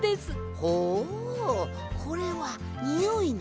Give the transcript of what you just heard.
ほうこれはにおいなのかね。